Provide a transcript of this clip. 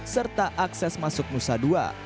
serta akses masuk nusa dua